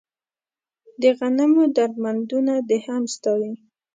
د غنمو درمندونه دې هم ستا وي